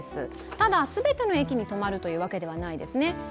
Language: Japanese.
ただ、全ての駅に止まるというわけではないですね。